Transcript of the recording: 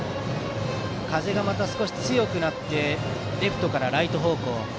風がまた少し強くなってレフトからライト方向。